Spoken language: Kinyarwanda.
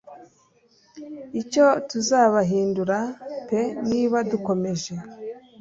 Icyo tuzabahindura pe niba dukomeje